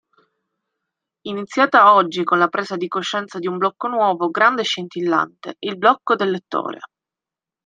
Iniziata oggi con la presa di coscienza di un blocco nuovo, grande e scintillante: il blocco del lettore.